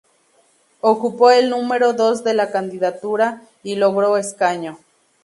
Ocupó el número dos de la candidatura y logró escaño.